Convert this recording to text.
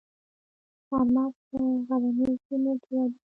چهارمغز په غرنیو سیمو کې وده کوي